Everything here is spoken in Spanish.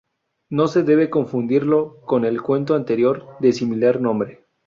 No se debe confundirlo con el cuento anterior, de similar nombre.